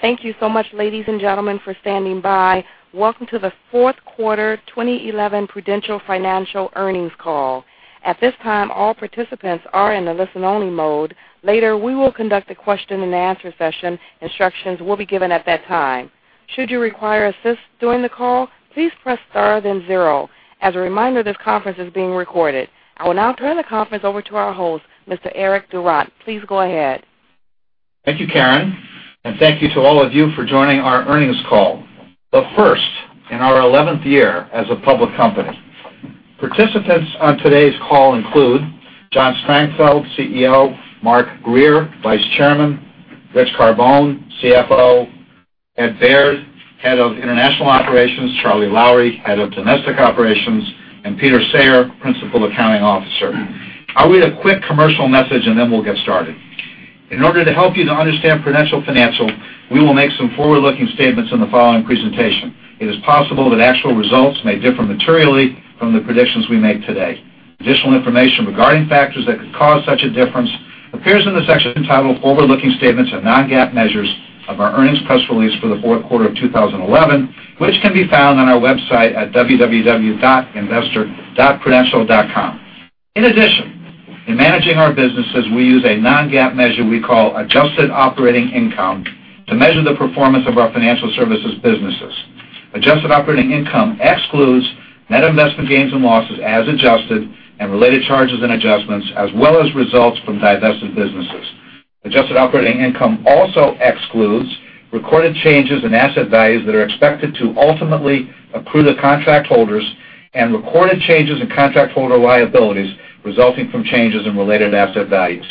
Thank you so much, ladies and gentlemen, for standing by. Welcome to the fourth quarter 2011 Prudential Financial earnings call. At this time, all participants are in a listen-only mode. Later, we will conduct a question and answer session. Instructions will be given at that time. Should you require assist during the call, please press star then zero. As a reminder, this conference is being recorded. I will now turn the conference over to our host, Mr. Eric Durant. Please go ahead. Thank you, Karen, and thank you to all of you for joining our earnings call, the first in our 11th year as a public company. Participants on today's call include John Strangfeld, CEO, Mark Grier, Vice Chairman, Rich Carbone, CFO, Ed Baird, Head of International Operations, Charlie Lowrey, Head of Domestic Operations, and Peter Sayre, Principal Accounting Officer. I will read a quick commercial message and then we'll get started. In order to help you to understand Prudential Financial, we will make some forward-looking statements in the following presentation. It is possible that actual results may differ materially from the predictions we make today. Additional information regarding factors that could cause such a difference appears in the section titled Forward-Looking Statements and Non-GAAP Measures of our earnings press release for the fourth quarter of 2011, which can be found on our website at www.investor.prudential.com. In addition, in managing our businesses, we use a non-GAAP measure we call adjusted operating income to measure the performance of our financial services businesses. Adjusted operating income excludes net investment gains and losses as adjusted and related charges and adjustments, as well as results from divested businesses. Adjusted operating income also excludes recorded changes in asset values that are expected to ultimately accrue to contract holders and recorded changes in contract holder liabilities resulting from changes in related asset values.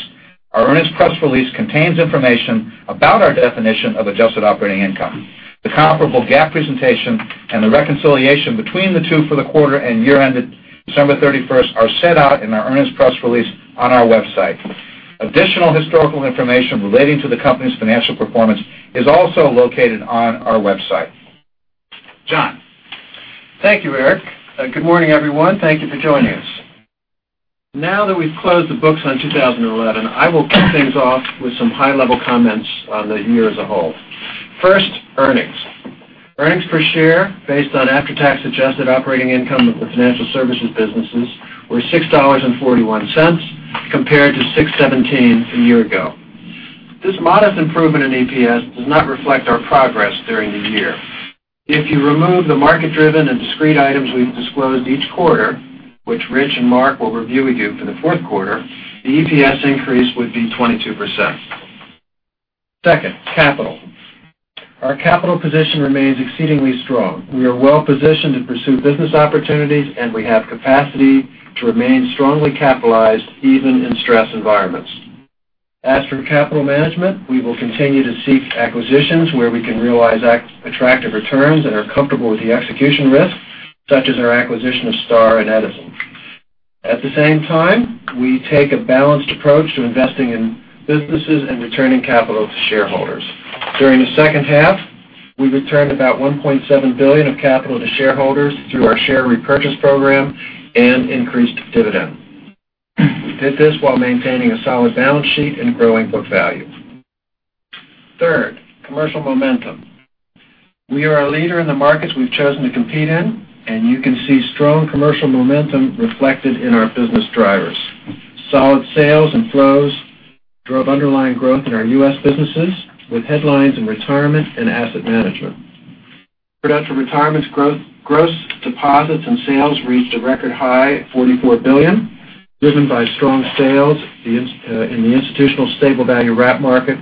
Our earnings press release contains information about our definition of adjusted operating income. The comparable GAAP presentation and the reconciliation between the two for the quarter and year ended December 31st are set out in our earnings press release on our website. Additional historical information relating to the company's financial performance is also located on our website. John. Thank you, Eric. Good morning, everyone. Thank you for joining us. Now that we've closed the books on 2011, I will kick things off with some high-level comments on the year as a whole. First, earnings. Earnings per share based on after-tax adjusted operating income of the financial services businesses were $6.41 compared to $6.17 a year ago. This modest improvement in EPS does not reflect our progress during the year. If you remove the market-driven and discrete items we've disclosed each quarter, which Rich and Mark will review with you for the fourth quarter, the EPS increase would be 22%. Second, capital. Our capital position remains exceedingly strong. We are well-positioned to pursue business opportunities, and we have capacity to remain strongly capitalized even in stress environments. As for capital management, we will continue to seek acquisitions where we can realize attractive returns and are comfortable with the execution risk, such as our acquisition of Star and Edison. At the same time, we take a balanced approach to investing in businesses and returning capital to shareholders. During the second half, we returned about $1.7 billion of capital to shareholders through our share repurchase program and increased dividend. We did this while maintaining a solid balance sheet and growing book value. Third, commercial momentum. We are a leader in the markets we've chosen to compete in, and you can see strong commercial momentum reflected in our business drivers. Solid sales and flows drove underlying growth in our U.S. businesses, with headlines in retirement and asset management. Prudential Retirement's gross deposits and sales reached a record high at $44 billion, driven by strong sales in the institutional stable value wrap market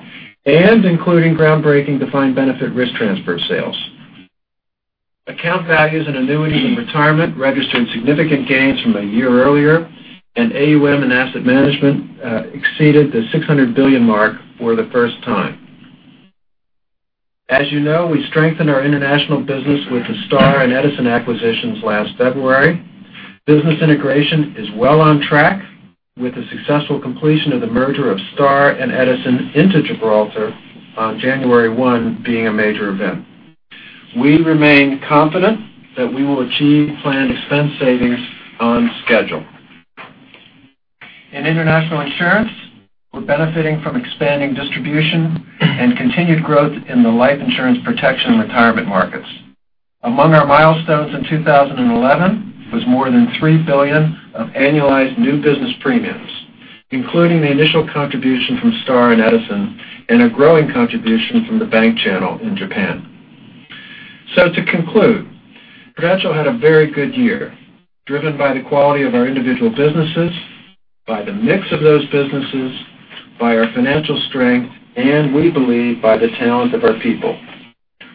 and including groundbreaking defined benefit risk transfer sales. Account values and annuities in Retirement registered significant gains from a year earlier, and AUM in Asset Management exceeded the $600 billion mark for the first time. As you know, we strengthened our international business with the Star and Edison acquisitions last February. Business integration is well on track, with the successful completion of the merger of Star and Edison into Gibraltar on January 1 being a major event. We remain confident that we will achieve planned expense savings on schedule. In international insurance, we're benefiting from expanding distribution and continued growth in the life insurance protection retirement markets. Among our milestones in 2011 was more than $3 billion of annualized new business premiums, including the initial contribution from Star and Edison and a growing contribution from the bank channel in Japan. To conclude, Prudential had a very good year, driven by the quality of our individual businesses, by the mix of those businesses, by our financial strength, and we believe, by the talent of our people.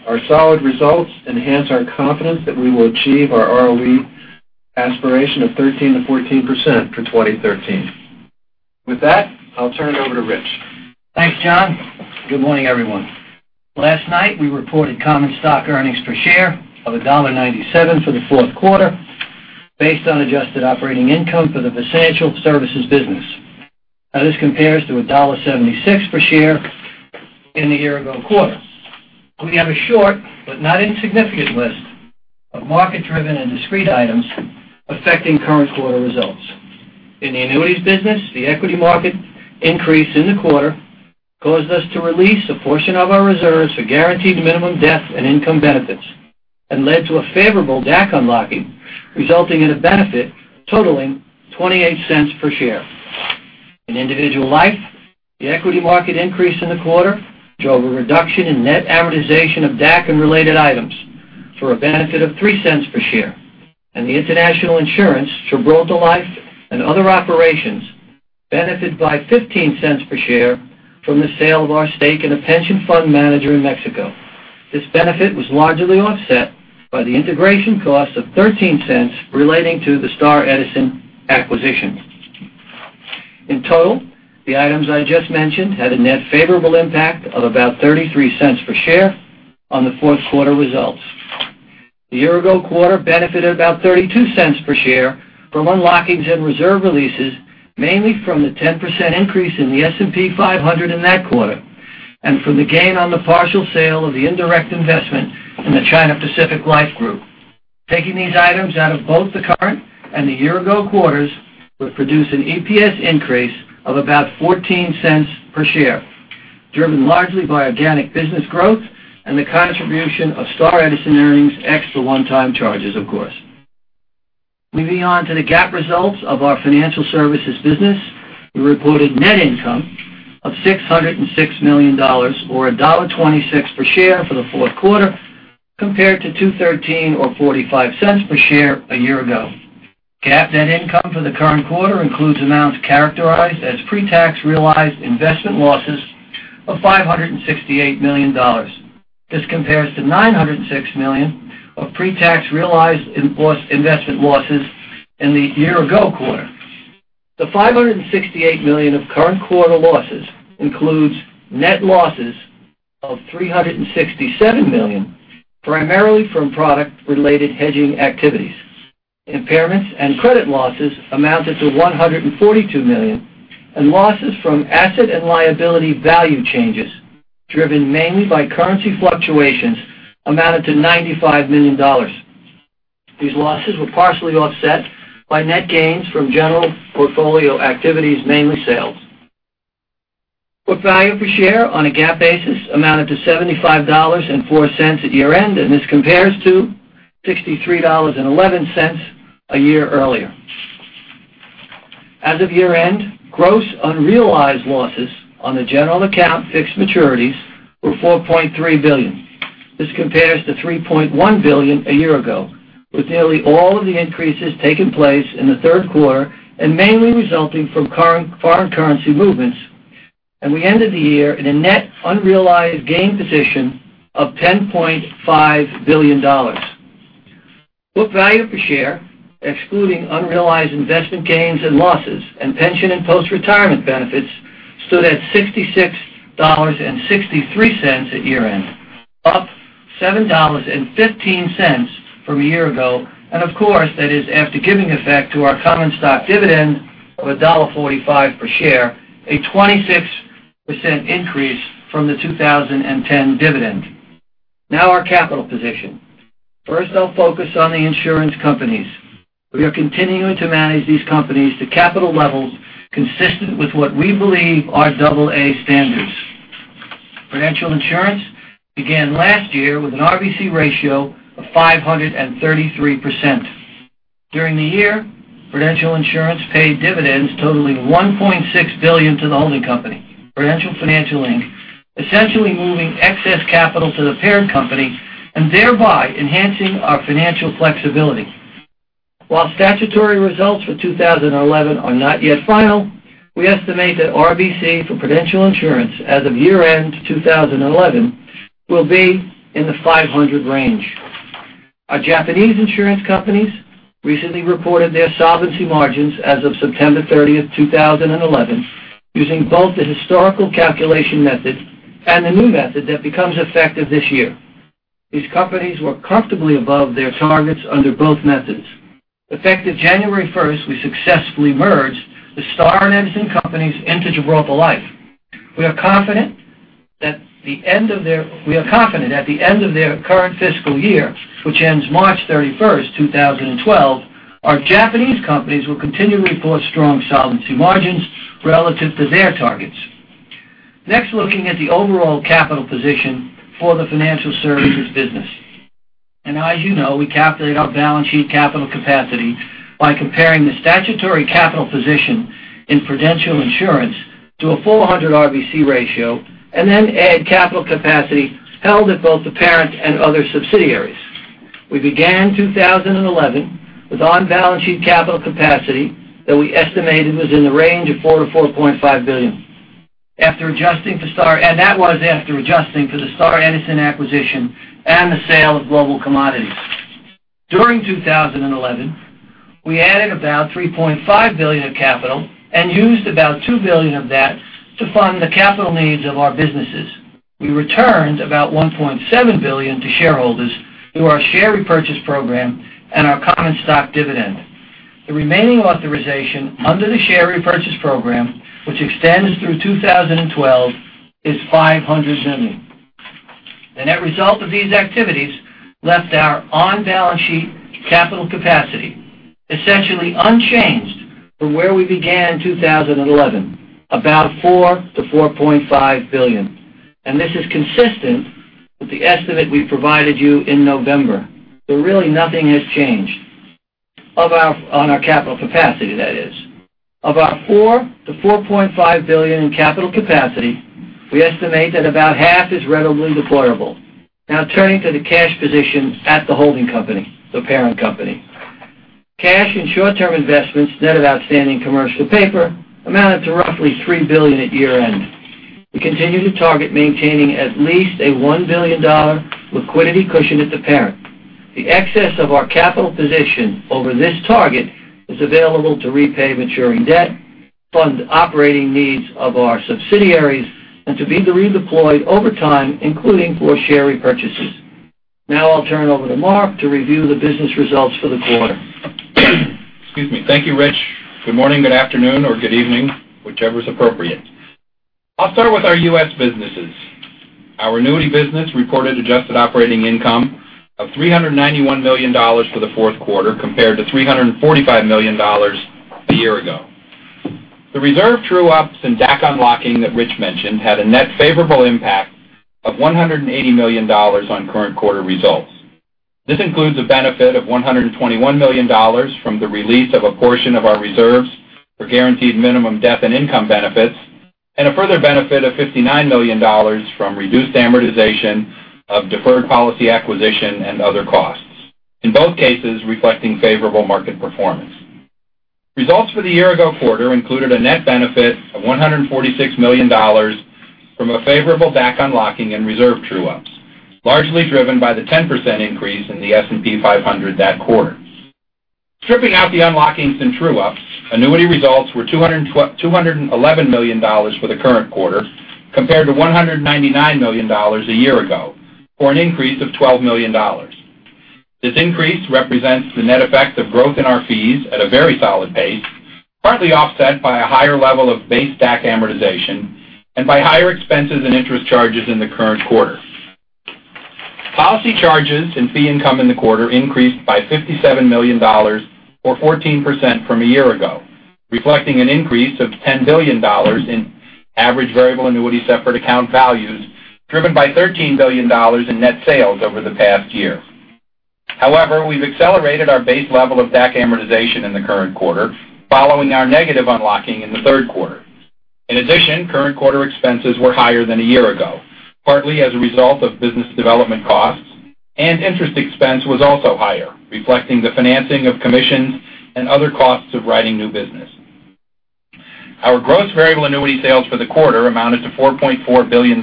Our solid results enhance our confidence that we will achieve our ROE aspiration of 13%-14% for 2013. With that, I'll turn it over to Rich. Thanks, John. Good morning, everyone. Last night, we reported common stock earnings per share of $1.97 for the fourth quarter based on adjusted operating income for the Prudential Services business. This compares to $1.76 per share in the year-ago quarter. We have a short but not insignificant list of market-driven and discrete items affecting current quarter results In the annuities business, the equity market increase in the quarter caused us to release a portion of our reserves for guaranteed minimum death and income benefits and led to a favorable DAC unlocking, resulting in a benefit totaling $0.28 per share. In individual life, the equity market increase in the quarter showed a reduction in net amortization of DAC and related items for a benefit of $0.03 per share, and the international insurance, Gibraltar Life and other operations benefited by $0.15 per share from the sale of our stake in a pension fund manager in Mexico. This benefit was largely offset by the integration cost of $0.13 relating to the Star Edison acquisition. In total, the items I just mentioned had a net favorable impact of about $0.33 per share on the fourth quarter results. The year-ago quarter benefited about $0.32 per share from unlockings and reserve releases, mainly from the 10% increase in the S&P 500 in that quarter and from the gain on the partial sale of the indirect investment in the China Pacific Life group. Taking these items out of both the current and the year-ago quarters would produce an EPS increase of about $0.14 per share, driven largely by organic business growth and the contribution of Star Edison earnings, ex the one-time charges, of course. Moving on to the GAAP results of our financial services business. We reported net income of $606 million, or $1.26 per share for the fourth quarter, compared to $2.13 or $0.45 per share a year ago. GAAP net income for the current quarter includes amounts characterized as pretax realized investment losses of $568 million. This compares to $906 million of pretax realized investment losses in the year-ago quarter. The $568 million of current quarter losses includes net losses of $367 million, primarily from product-related hedging activities. Impairments and credit losses amounted to $142 million, and losses from asset and liability value changes, driven mainly by currency fluctuations, amounted to $95 million. These losses were partially offset by net gains from general portfolio activities, mainly sales. Book value per share on a GAAP basis amounted to $75.04 at year-end, and this compares to $63.11 a year earlier. As of year-end, gross unrealized losses on the general account fixed maturities were $4.3 billion. This compares to $3.1 billion a year ago, with nearly all of the increases taking place in the third quarter and mainly resulting from foreign currency movements. We ended the year in a net unrealized gain position of $10.5 billion. Book value per share, excluding unrealized investment gains and losses and pension and post-retirement benefits, stood at $66.63 at year-end, up $7.15 from a year ago, and of course, that is after giving effect to our common stock dividend of $1.45 per share, a 26% increase from the 2010 dividend. Now our capital position. First, I'll focus on the insurance companies. We are continuing to manage these companies to capital levels consistent with what we believe are double A standards. Prudential Insurance began last year with an RBC ratio of 533%. During the year, Prudential Insurance paid dividends totaling $1.6 billion to the holding company, Prudential Financial Inc., essentially moving excess capital to the parent company and thereby enhancing our financial flexibility. While statutory results for 2011 are not yet final, we estimate that RBC for Prudential Insurance as of year-end 2011 will be in the 500 range. Our Japanese insurance companies recently reported their solvency margins as of September 30, 2011, using both the historical calculation method and the new method that becomes effective this year. These companies were comfortably above their targets under both methods. Effective January 1st, we successfully merged the Star and Edison companies into Gibraltar Life. We are confident at the end of their current fiscal year, which ends March 31st, 2012, our Japanese companies will continue to report strong solvency margins relative to their targets. Next, looking at the overall capital position for the financial services business. As you know, we calculate our balance sheet capital capacity by comparing the statutory capital position in Prudential Insurance to a 400 RBC ratio and then add capital capacity held at both the parent and other subsidiaries. We began 2011 with on-balance sheet capital capacity that we estimated was in the range of $4 billion-$4.5 billion. That was after adjusting for the Star and Edison acquisition and the sale of Global Commodities. During 2011, we added about $3.5 billion of capital and used about $2 billion of that to fund the capital needs of our businesses. We returned about $1.7 billion to shareholders through our share repurchase program and our common stock dividend. The remaining authorization under the share repurchase program, which extends through 2012, is $500 million. The net result of these activities left our on-balance sheet capital capacity essentially unchanged from where we began 2011, about $4 billion-$4.5 billion. This is consistent with the estimate we provided you in November, really nothing has changed on our capital capacity, that is. Of our $4 billion-$4.5 billion in capital capacity, we estimate that about half is readily deployable. Now turning to the cash position at the holding company, the parent company. Cash and short-term investments net of outstanding commercial paper amounted to roughly $3 billion at year-end. We continue to target maintaining at least a $1 billion liquidity cushion at the parent. The excess of our capital position over this target is available to repay maturing debt, fund operating needs of our subsidiaries, and to be redeployed over time, including for share repurchases. Now I'll turn over to Mark to review the business results for the quarter. Excuse me. Thank you, Rich. Good morning, good afternoon, or good evening, whichever's appropriate. I'll start with our U.S. businesses. Our annuity business reported adjusted operating income of $391 million for the fourth quarter, compared to $345 million a year ago. The reserve true-ups and DAC unlocking that Rich mentioned had a net favorable impact of $180 million on current quarter results. This includes a benefit of $121 million from the release of a portion of our reserves for guaranteed minimum death and income benefits, and a further benefit of $59 million from reduced amortization of deferred policy acquisition and other costs. In both cases, reflecting favorable market performance. Results for the year-ago quarter included a net benefit of $146 million from a favorable DAC unlocking and reserve true-ups, largely driven by the 10% increase in the S&P 500 that quarter. Stripping out the unlockings and true-ups, annuity results were $211 million for the current quarter, compared to $199 million a year ago, for an increase of $12 million. This increase represents the net effect of growth in our fees at a very solid pace, partly offset by a higher level of base DAC amortization and by higher expenses and interest charges in the current quarter. Policy charges and fee income in the quarter increased by $57 million, or 14% from a year ago, reflecting an increase of $10 billion in average variable annuity separate account values, driven by $13 billion in net sales over the past year. We've accelerated our base level of DAC amortization in the current quarter, following our negative unlocking in the third quarter. Current quarter expenses were higher than a year ago, partly as a result of business development costs, and interest expense was also higher, reflecting the financing of commissions and other costs of writing new business. Our gross variable annuity sales for the quarter amounted to $4.4 billion,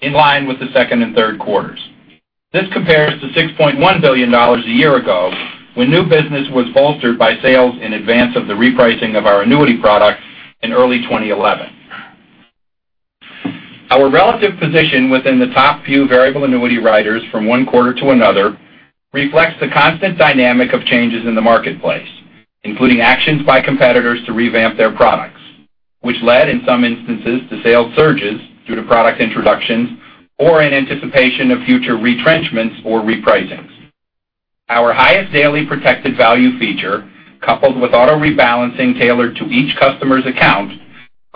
in line with the second and third quarters. This compares to $6.1 billion a year ago, when new business was bolstered by sales in advance of the repricing of our annuity product in early 2011. Our relative position within the top few variable annuity writers from one quarter to another reflects the constant dynamic of changes in the marketplace, including actions by competitors to revamp their products, which led, in some instances, to sales surges due to product introductions or in anticipation of future retrenchments or repricings. Our Highest Daily Protected Value feature, coupled with auto-rebalancing tailored to each customer's account,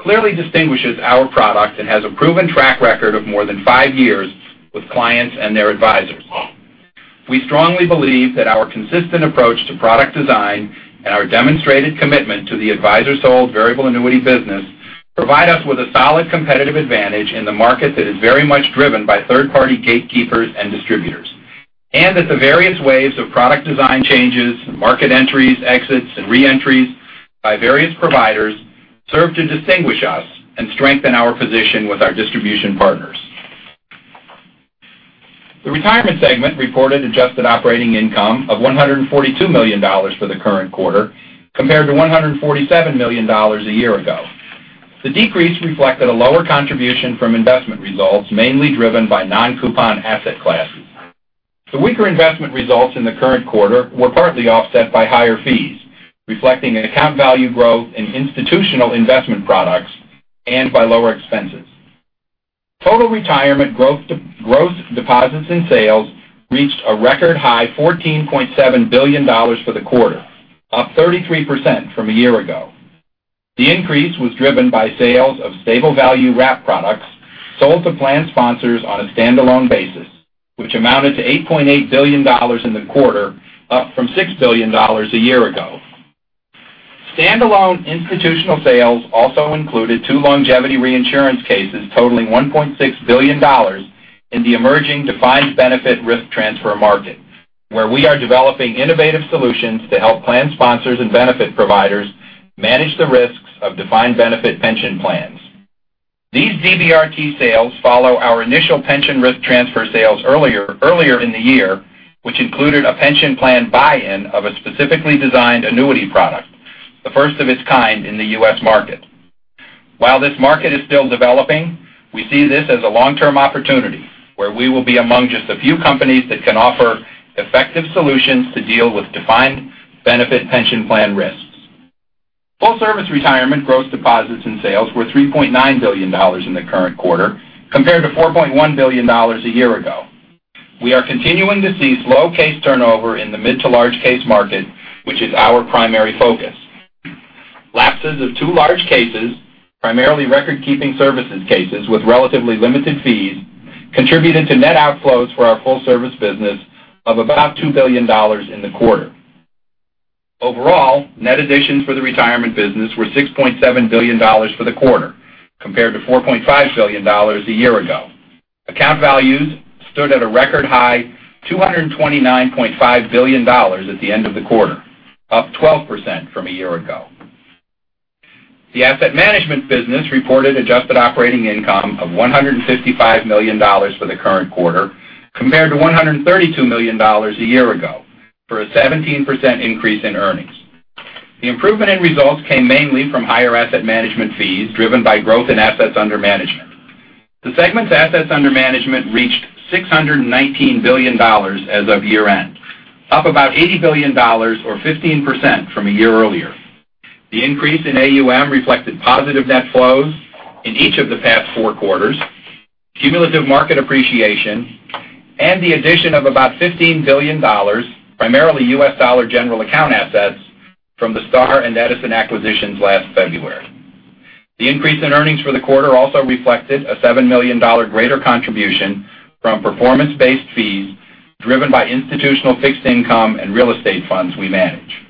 clearly distinguishes our product and has a proven track record of more than five years with clients and their advisors. We strongly believe that our consistent approach to product design and our demonstrated commitment to the advisor-sold variable annuity business provide us with a solid competitive advantage in the market that is very much driven by third-party gatekeepers and distributors, and that the various waves of product design changes, market entries, exits, and reentries by various providers serve to distinguish us and strengthen our position with our distribution partners. The retirement segment reported adjusted operating income of $142 million for the current quarter, compared to $147 million a year ago. The decrease reflected a lower contribution from investment results, mainly driven by non-coupon asset classes. The weaker investment results in the current quarter were partly offset by higher fees, reflecting an account value growth in institutional investment products and by lower expenses. Total retirement growth deposits and sales reached a record high $14.7 billion for the quarter, up 33% from a year ago. The increase was driven by sales of stable value wrap products sold to plan sponsors on a standalone basis, which amounted to $8.8 billion in the quarter, up from $6 billion a year ago. Standalone institutional sales also included two longevity reinsurance cases totaling $1.6 billion in the emerging defined benefit risk transfer market, where we are developing innovative solutions to help plan sponsors and benefit providers manage the risks of defined benefit pension plans. These DBRT sales follow our initial pension risk transfer sales earlier in the year, which included a pension plan buy-in of a specifically designed annuity product, the first of its kind in the U.S. market. While this market is still developing, we see this as a long-term opportunity where we will be among just a few companies that can offer effective solutions to deal with defined benefit pension plan risks. Full service retirement gross deposits and sales were $3.9 billion in the current quarter, compared to $4.1 billion a year ago. We are continuing to see slow case turnover in the mid to large case market, which is our primary focus. Lapses of two large cases, primarily recordkeeping services cases with relatively limited fees, contributed to net outflows for our full service business of about $2 billion in the quarter. Overall, net additions for the retirement business were $6.7 billion for the quarter, compared to $4.5 billion a year ago. Account values stood at a record high $229.5 billion at the end of the quarter, up 12% from a year ago. The asset management business reported adjusted operating income of $155 million for the current quarter, compared to $132 million a year ago, for a 17% increase in earnings. The improvement in results came mainly from higher asset management fees driven by growth in assets under management. The segment's assets under management reached $619 billion as of year-end, up about $80 billion or 15% from a year earlier. The increase in AUM reflected positive net flows in each of the past four quarters, cumulative market appreciation, and the addition of about $15 billion, primarily U.S. dollar general account assets from the Star and Edison acquisitions last February. The increase in earnings for the quarter also reflected a $7 million greater contribution from performance-based fees driven by institutional fixed income and real estate funds we manage.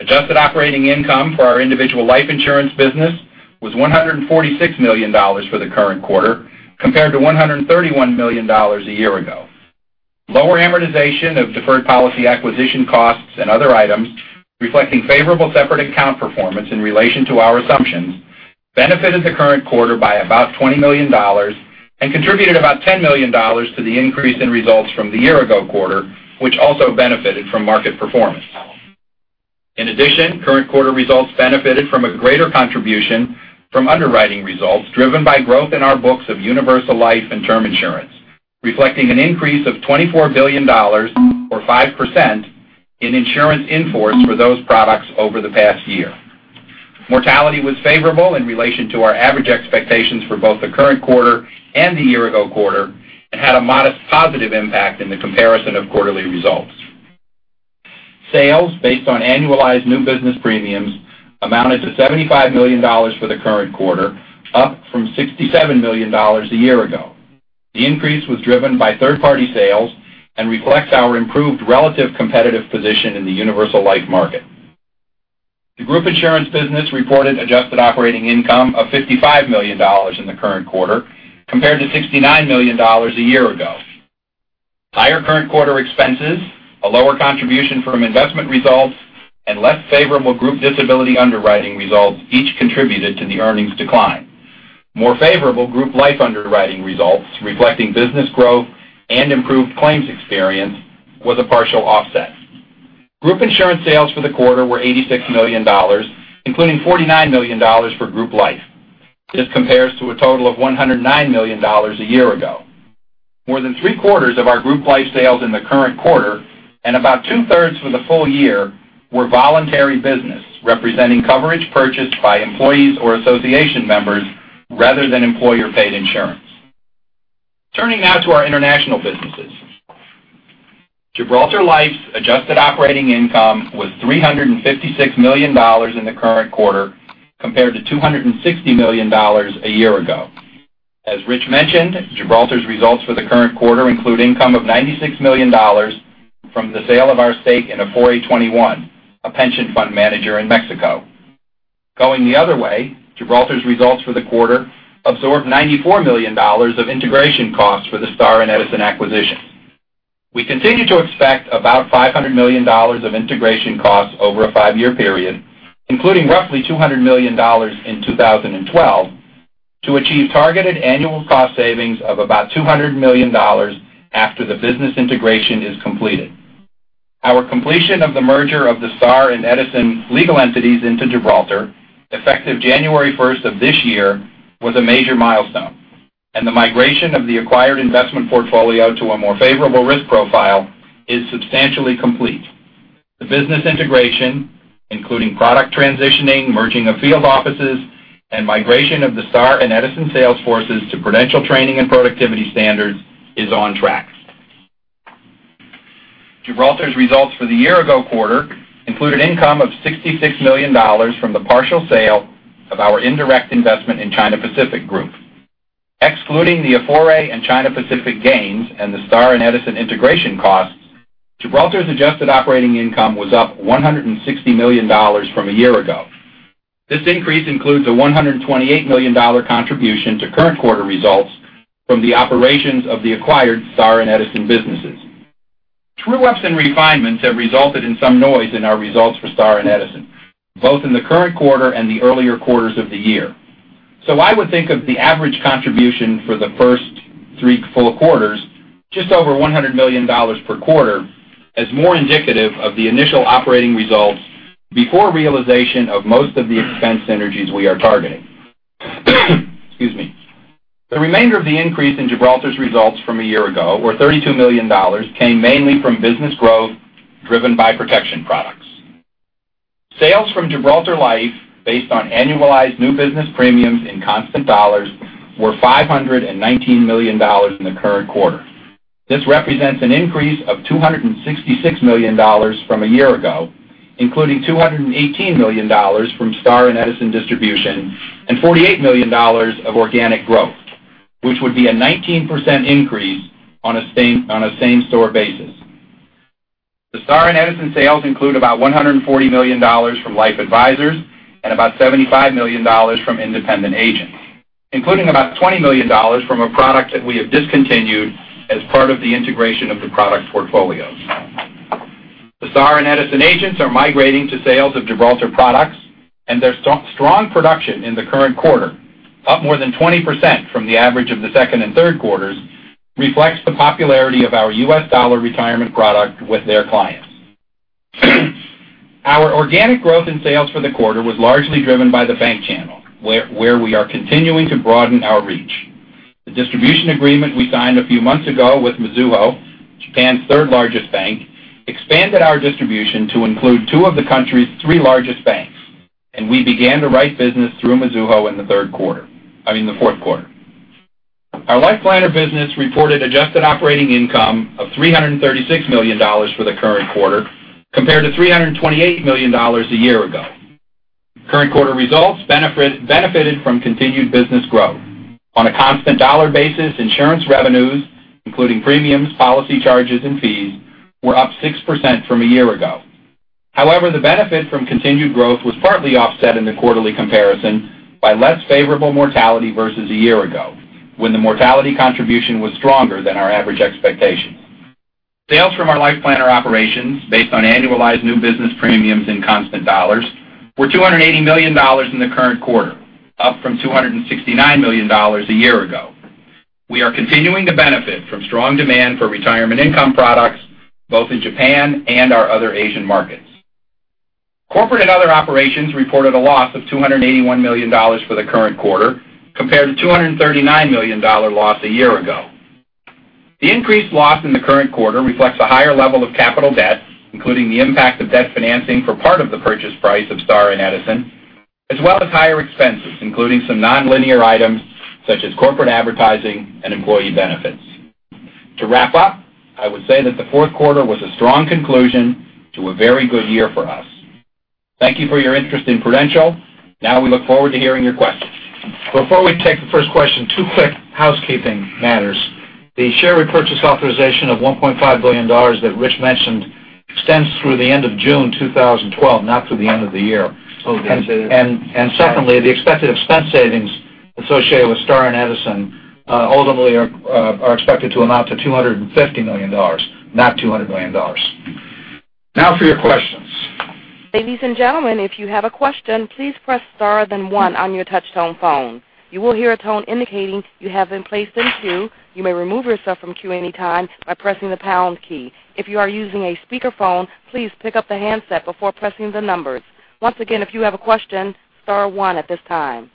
Adjusted operating income for our individual life insurance business was $146 million for the current quarter, compared to $131 million a year ago. Lower amortization of deferred policy acquisition costs and other items reflecting favorable separate account performance in relation to our assumptions benefited the current quarter by about $20 million and contributed about $10 million to the increase in results from the year-ago quarter, which also benefited from market performance. In addition, current quarter results benefited from a greater contribution from underwriting results driven by growth in our books of universal life and term insurance, reflecting an increase of $24 billion or 5% in insurance in force for those products over the past year. Mortality was favorable in relation to our average expectations for both the current quarter and the year-ago quarter and had a modest positive impact in the comparison of quarterly results. Sales based on annualized new business premiums amounted to $75 million for the current quarter, up from $67 million a year ago. The increase was driven by third-party sales and reflects our improved relative competitive position in the universal life market. The group insurance business reported adjusted operating income of $55 million in the current quarter, compared to $69 million a year ago. Higher current quarter expenses, a lower contribution from investment results, and less favorable group disability underwriting results each contributed to the earnings decline. More favorable group life underwriting results reflecting business growth and improved claims experience was a partial offset. Group insurance sales for the quarter were $86 million, including $49 million for group life. This compares to a total of $109 million a year ago. More than three-quarters of our group life sales in the current quarter and about two-thirds for the full year were voluntary business, representing coverage purchased by employees or association members rather than employer-paid insurance. Turning now to our international businesses. Gibraltar Life's adjusted operating income was $356 million in the current quarter, compared to $260 million a year ago. As Rich mentioned, Gibraltar's results for the current quarter include income of $96 million from the sale of our stake in Afore XXI, a pension fund manager in Mexico. Going the other way, Gibraltar's results for the quarter absorbed $94 million of integration costs for the Star and Edison acquisition. We continue to expect about $500 million of integration costs over a five-year period, including roughly $200 million in 2012, to achieve targeted annual cost savings of about $200 million after the business integration is completed. Our completion of the merger of the Star and Edison legal entities into Gibraltar, effective January 1st of this year, was a major milestone, and the migration of the acquired investment portfolio to a more favorable risk profile is substantially complete. The business integration, including product transitioning, merging of field offices, and migration of the Star and Edison sales forces to Prudential training and productivity standards, is on track. Gibraltar's results for the year-ago quarter included income of $66 million from the partial sale of our indirect investment in China Pacific Group. Excluding the Afore and China Pacific gains and the Star and Edison integration costs, Gibraltar's adjusted operating income was up $160 million from a year ago. This increase includes a $128 million contribution to current quarter results from the operations of the acquired Star and Edison businesses. True-ups and refinements have resulted in some noise in our results for Star and Edison, both in the current quarter and the earlier quarters of the year. I would think of the average contribution for the first three full quarters, just over $100 million per quarter, as more indicative of the initial operating results before realization of most of the expense synergies we are targeting. Excuse me. The remainder of the increase in Gibraltar's results from a year ago, or $32 million, came mainly from business growth driven by protection products. Sales from Gibraltar Life, based on annualized new business premiums in constant dollars, were $519 million in the current quarter. This represents an increase of $266 million from a year ago, including $218 million from Star and Edison distribution and $48 million of organic growth, which would be a 19% increase on a same store basis. The Star and Edison sales include about $140 million from life advisors and about $75 million from independent agents, including about $20 million from a product that we have discontinued as part of the integration of the product portfolio. The Star and Edison agents are migrating to sales of Gibraltar products, and their strong production in the current quarter, up more than 20% from the average of the second and third quarters, reflects the popularity of our U.S. dollar retirement product with their clients. Our organic growth in sales for the quarter was largely driven by the bank channel, where we are continuing to broaden our reach. The distribution agreement we signed a few months ago with Mizuho, Japan's third largest bank, expanded our distribution to include two of the country's three largest banks, and we began to write business through Mizuho in the fourth quarter. Our Life Planner business reported adjusted operating income of $336 million for the current quarter, compared to $328 million a year ago. Current quarter results benefited from continued business growth. On a constant dollar basis, insurance revenues, including premiums, policy charges, and fees, were up 6% from a year ago. However, the benefit from continued growth was partly offset in the quarterly comparison by less favorable mortality versus a year ago, when the mortality contribution was stronger than our average expectations. Sales from our Life Planner operations, based on annualized new business premiums in constant dollars, were $280 million in the current quarter, up from $269 million a year ago. We are continuing to benefit from strong demand for retirement income products both in Japan and our other Asian markets. Corporate and other operations reported a loss of $281 million for the current quarter compared to $239 million loss a year ago. The increased loss in the current quarter reflects a higher level of capital debt, including the impact of debt financing for part of the purchase price of Star and Edison, as well as higher expenses, including some nonlinear items such as corporate advertising and employee benefits. To wrap up, I would say that the fourth quarter was a strong conclusion to a very good year for us. Thank you for your interest in Prudential. We look forward to hearing your questions. Before we take the first question, two quick housekeeping matters. The share repurchase authorization of $1.5 billion that Rich mentioned extends through the end of June 2012, not through the end of the year. Oh, okay. Secondly, the expected expense savings associated with Star and Edison ultimately are expected to amount to $250 million, not $200 million. For your questions. Ladies and gentlemen, if you have a question, please press star then one on your touch tone phone. You will hear a tone indicating you have been placed in queue. You may remove yourself from queue anytime by pressing the pound key. If you are using a speakerphone, please pick up the handset before pressing the numbers. Once again, if you have a question, star one at this time.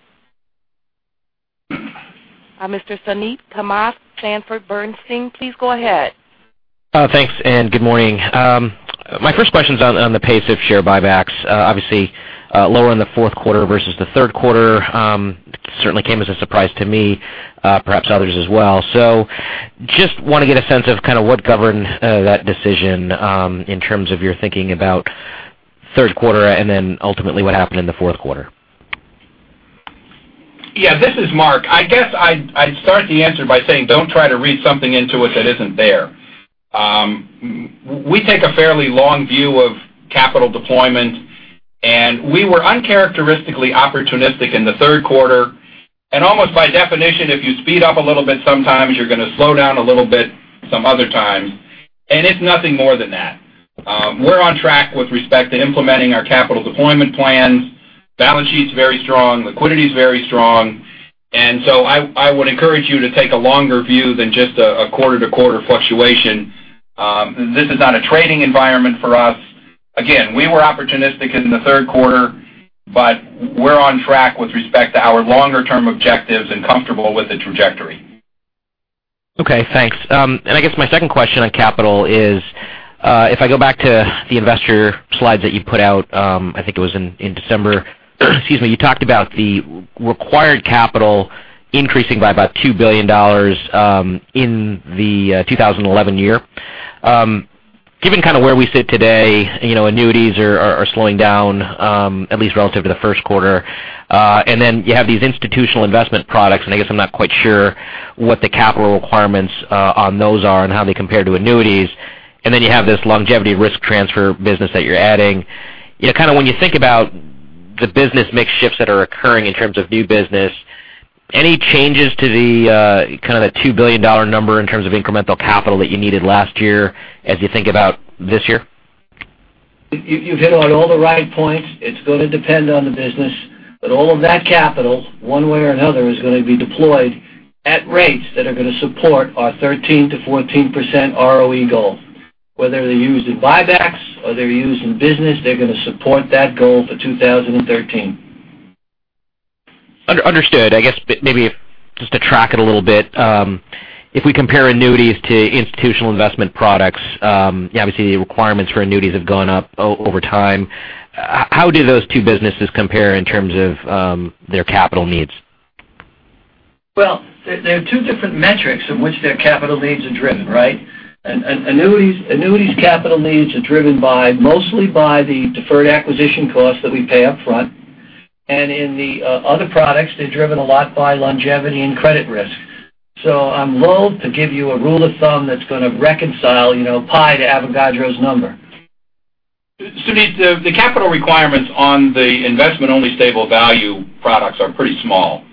Mr. Suneet Kamath, Sanford Bernstein, please go ahead. Thanks. Good morning. My first question's on the pace of share buybacks, obviously lower in the fourth quarter versus the third quarter. It certainly came as a surprise to me, perhaps others as well. Just want to get a sense of what governed that decision, in terms of your thinking about the third quarter and then ultimately what happened in the fourth quarter. This is Mark. I guess I'd start the answer by saying don't try to read something into it that isn't there. We take a fairly long view of capital deployment. We were uncharacteristically opportunistic in the third quarter. Almost by definition, if you speed up a little bit sometimes you're going to slow down a little bit some other times, and it's nothing more than that. We're on track with respect to implementing our capital deployment plans. Balance sheet's very strong. Liquidity is very strong. I would encourage you to take a longer view than just a quarter-to-quarter fluctuation. This is not a trading environment for us. Again, we were opportunistic in the third quarter. We're on track with respect to our longer term objectives and comfortable with the trajectory. Okay, thanks. I guess my second question on capital is, if I go back to the investor slides that you put out, I think it was in December, you talked about the required capital increasing by about $2 billion in the 2011 year. Given where we sit today, annuities are slowing down, at least relative to the first quarter. You have these institutional investment products. I guess I'm not quite sure what the capital requirements on those are and how they compare to annuities. You have this longevity risk transfer business that you're adding. When you think about the business mix shifts that are occurring in terms of new business, any changes to the $2 billion number in terms of incremental capital that you needed last year as you think about this year? You've hit on all the right points. It's going to depend on the business. All of that capital, one way or another, is going to be deployed at rates that are going to support our 13%-14% ROE goal. Whether they're used in buybacks or they're used in business, they're going to support that goal for 2013. Understood. I guess maybe just to track it a little bit, if we compare annuities to institutional investment products, obviously the requirements for annuities have gone up over time. How do those two businesses compare in terms of their capital needs? Well, they have two different metrics in which their capital needs are driven, right? Annuities capital needs are driven mostly by the deferred acquisition costs that we pay upfront, and in the other products, they're driven a lot by longevity and credit risk. I'm loathe to give you a rule of thumb that's going to reconcile pi to Avogadro's number. Suneet, the capital requirements on the investment-only stable value products are pretty small.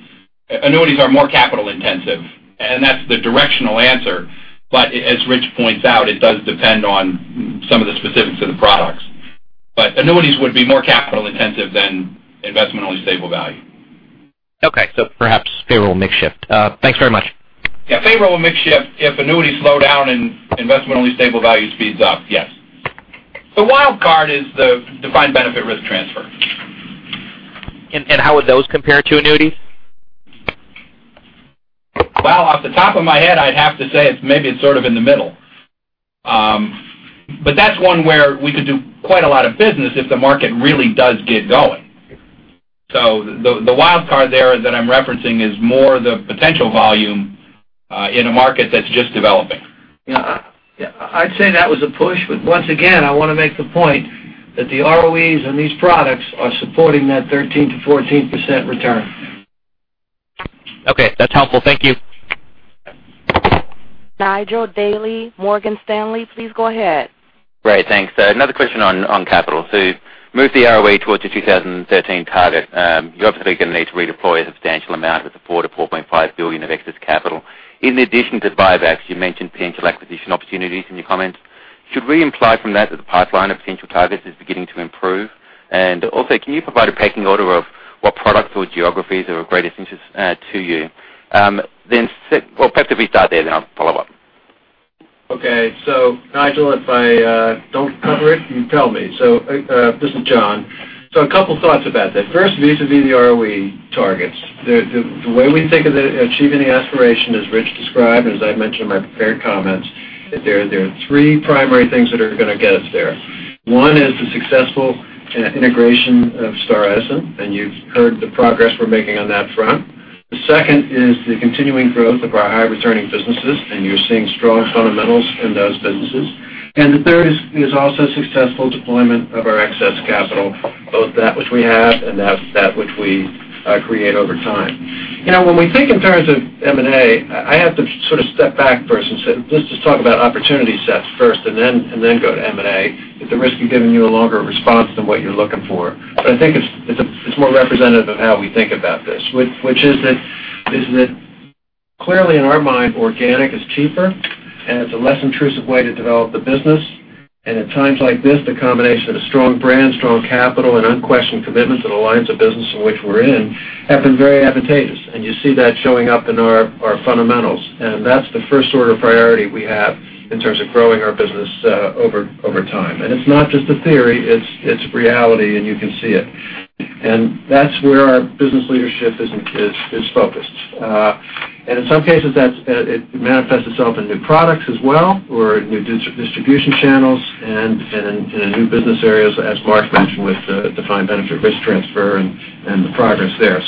Annuities are more capital intensive, and that's the directional answer. As Rich points out, it does depend on some of the specifics of the products. Annuities would be more capital intensive than investment-only stable value. Okay. Perhaps favorable mix shift. Thanks very much. Yeah. Favorable mix shift if annuities slow down and Investment Only Stable Value speeds up, yes. The wild card is the defined benefit risk transfer. How would those compare to annuities? Well, off the top of my head, I'd have to say maybe it's sort of in the middle. That's one where we could do quite a lot of business if the market really does get going. The wild card there that I'm referencing is more the potential volume in a market that's just developing. Yeah. I'd say that was a push, but once again, I want to make the point that the ROEs on these products are supporting that 13%-14% return. Okay. That's helpful. Thank you. Nigel Dally, Morgan Stanley, please go ahead. Great. Thanks. Another question on capital. To move the ROE towards the 2013 target, you're obviously going to need to redeploy a substantial amount of support of $4.5 billion of excess capital. In addition to buybacks, you mentioned potential acquisition opportunities in your comments. Should we imply from that that the pipeline of potential targets is beginning to improve? Also, can you provide a pecking order of what products or geographies are of greatest interest to you? Perhaps if we start there, I'll follow up. Okay. Nigel, if I don't cover it, you tell me. This is John. A couple thoughts about that. First, vis-à-vis the ROE targets. The way we think of achieving the aspiration, as Rich described, as I mentioned in my prepared comments, that there are three primary things that are going to get us there. One is the successful integration of Star and Edison, You've heard the progress we're making on that front. The second is the continuing growth of our high-returning businesses, You're seeing strong fundamentals in those businesses. The third is also successful deployment of our excess capital, both that which we have and that which we create over time. When we think in terms of M&A, I have to sort of step back first and say, let's just talk about opportunity sets first and then go to M&A, at the risk of giving you a longer response than what you're looking for. I think it's more representative of how we think about this, which is that clearly in our mind, organic is cheaper and it's a less intrusive way to develop the business. At times like this, the combination of strong brand, strong capital, and unquestioned commitments in the lines of business in which we're in have been very advantageous, and you see that showing up in our fundamentals. That's the first order of priority we have in terms of growing our business over time. It's not just a theory, it's reality, and you can see it. That's where our business leadership is focused. In some cases, it manifests itself in new products as well, or new distribution channels and in new business areas, as Mark mentioned with defined benefit risk transfer and the progress there.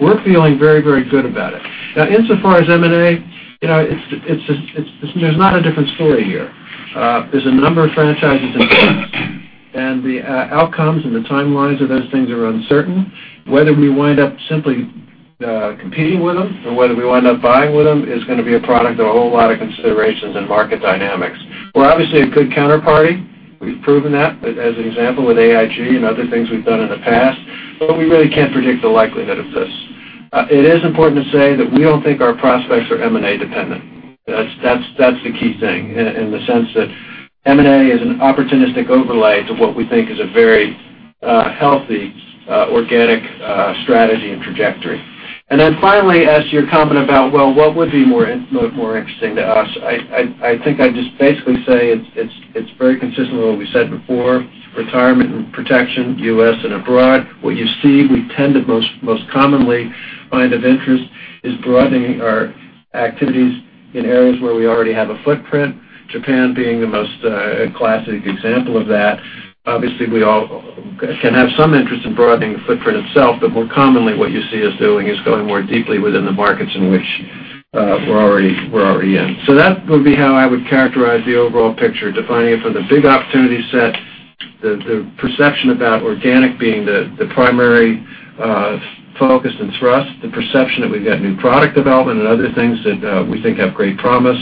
We're feeling very, very good about it. Now, insofar as M&A, there's not a different story here. There's a number of franchises in place, and the outcomes and the timelines of those things are uncertain. Whether we wind up simply competing with them or whether we wind up buying with them is going to be a product of a whole lot of considerations and market dynamics. We're obviously a good counterparty. We've proven that, as an example, with AIG and other things we've done in the past, but we really can't predict the likelihood of this. It is important to say that we don't think our prospects are M&A-dependent. That's the key thing, in the sense that M&A is an opportunistic overlay to what we think is a very healthy, organic strategy and trajectory. Finally, as to your comment about, well, what would be more interesting to us? I think I'd just basically say it's very consistent with what we said before, retirement and protection, U.S. and abroad. What you see we tend to most commonly find of interest is broadening our activities in areas where we already have a footprint, Japan being the most classic example of that. Obviously, we all can have some interest in broadening the footprint itself, but more commonly, what you see us doing is going more deeply within the markets in which we're already in. That would be how I would characterize the overall picture, defining it from the big opportunity set, the perception about organic being the primary focus and thrust, the perception that we've got new product development and other things that we think have great promise,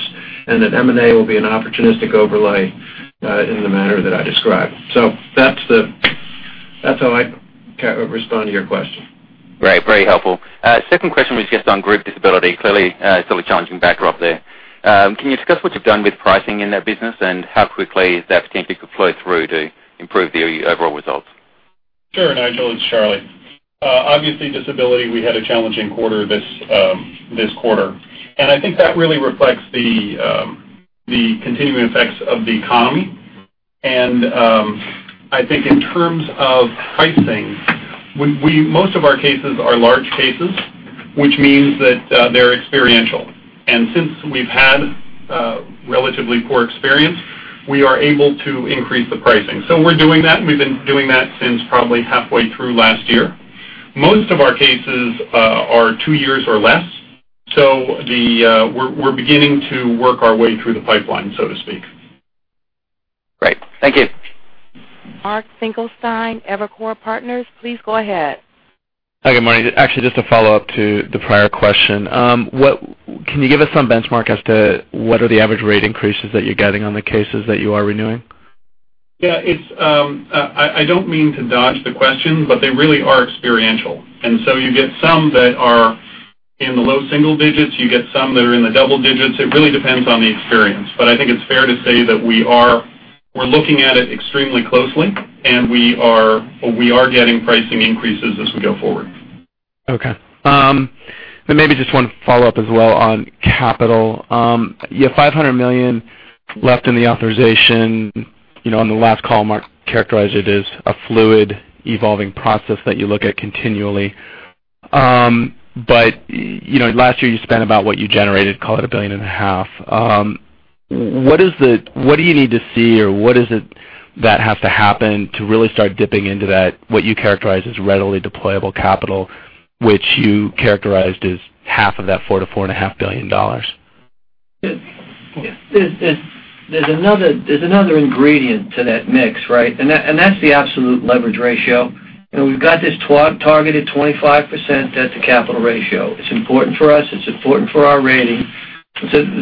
and that M&A will be an opportunistic overlay in the manner that I described. That's how I respond to your question. Great. Very helpful. Second question was just on group disability. Clearly, it is still a challenging backdrop there. Can you discuss what you have done with pricing in that business and how quickly that potentially could flow through to improve the overall results? Sure, Nigel, it is Charlie. Obviously, disability, we had a challenging quarter this quarter. I think that really reflects the continuing effects of the economy. I think in terms of pricing, most of our cases are large cases, which means that they are experiential. Since we have had relatively poor experience, we are able to increase the pricing. We are doing that, and we have been doing that since probably halfway through last year. Most of our cases are two years or less. We are beginning to work our way through the pipeline, so to speak. Great. Thank you. Mark Finkelstein, Evercore Partners, please go ahead. Hi, good morning. Actually, just a follow-up to the prior question. Can you give us some benchmark as to what are the average rate increases that you're getting on the cases that you are renewing? Yeah. I don't mean to dodge the question, they really are experiential. You get some that are in the low single digits. You get some that are in the double digits. It really depends on the experience. I think it's fair to say that we're looking at it extremely closely, and we are getting pricing increases as we go forward. Okay. Maybe just one follow-up as well on capital. You have $500 million left in the authorization. On the last call, Mark characterized it as a fluid evolving process that you look at continually. Last year you spent about what you generated, call it a billion and a half. What do you need to see or what is it that has to happen to really start dipping into that, what you characterize as readily deployable capital, which you characterized as half of that $4 billion-$4.5 billion? There's another ingredient to that mix, right? That's the absolute leverage ratio. We've got this targeted 25% at the capital ratio. It's important for us. It's important for our rating.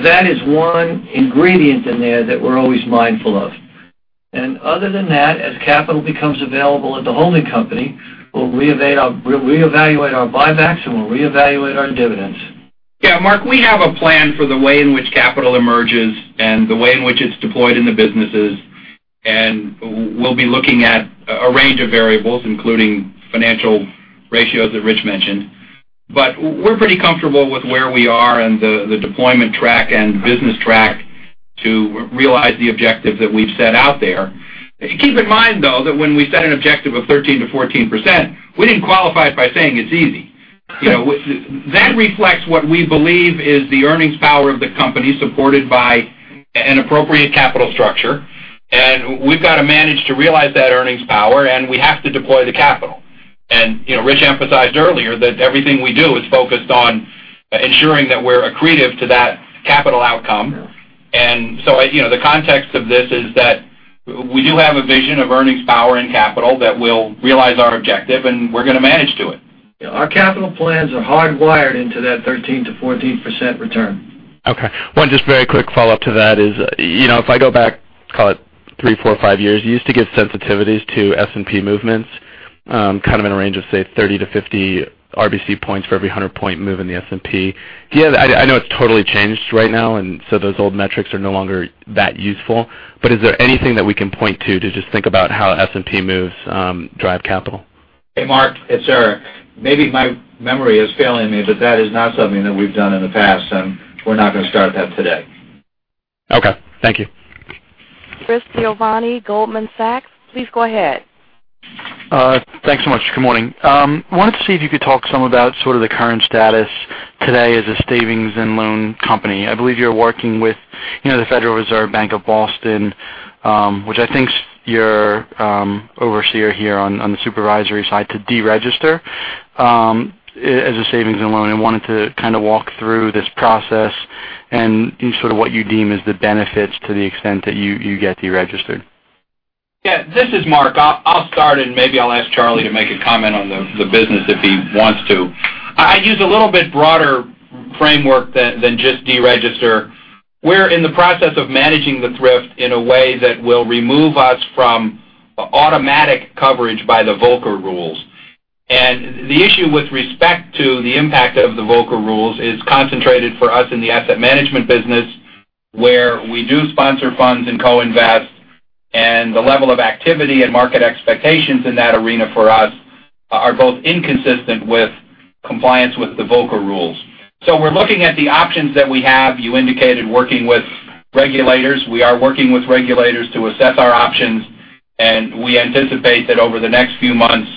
That is one ingredient in there that we're always mindful of. Other than that, as capital becomes available at the holding company, we'll reevaluate our buybacks, and we'll reevaluate our dividends. Yeah, Mark, we have a plan for the way in which capital emerges and the way in which it's deployed in the businesses. We'll be looking at a range of variables, including financial ratios that Rich mentioned. We're pretty comfortable with where we are and the deployment track and business track to realize the objective that we've set out there. Keep in mind, though, that when we set an objective of 13%-14%, we didn't qualify it by saying it's easy. That reflects what we believe is the earnings power of the company supported by an appropriate capital structure. We've got to manage to realize that earnings power. We have to deploy the capital. Rich emphasized earlier that everything we do is focused on ensuring that we're accretive to that capital outcome. The context of this is that we do have a vision of earnings power and capital that will realize our objective, and we're going to manage to it. Our capital plans are hardwired into that 13%-14% return. Okay. One just very quick follow-up to that is, if I go back, call it three, four, five years, you used to give sensitivities to S&P movements kind of in a range of, say, 30-50 RBC points for every 100-point move in the S&P. I know it's totally changed right now. Those old metrics are no longer that useful. Is there anything that we can point to just think about how S&P moves drive capital? Hey, Mark, it's Eric. Maybe my memory is failing me, but that is not something that we've done in the past, and we're not going to start that today. Okay. Thank you. Christopher Giovanni, Goldman Sachs, please go ahead. Thanks so much. Good morning. I wanted to see if you could talk some about sort of the current status today as a savings and loan company. I believe you're working with the Federal Reserve Bank of Boston, which I think is your overseer here on the supervisory side to deregister as a savings and loan. I wanted to kind of walk through this process and sort of what you deem as the benefits to the extent that you get deregistered. This is Mark. I'll start, and maybe I'll ask Charlie to make a comment on the business if he wants to. I use a little bit broader framework than just deregister. We're in the process of managing the thrift in a way that will remove us from automatic coverage by the Volcker Rule. The issue with respect to the impact of the Volcker Rule is concentrated for us in the asset management business where we do sponsor funds and co-invest, the level of activity and market expectations in that arena for us are both inconsistent with compliance with the Volcker Rule. We're looking at the options that we have. You indicated working with regulators. We are working with regulators to assess our options, and we anticipate that over the next few months,